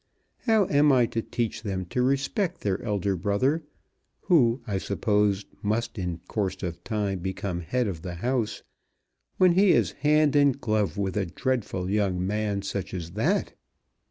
How am I to teach them to respect their elder brother, who I suppose must in course of time become Head of the House, when he is hand and glove with a dreadful young man such as that!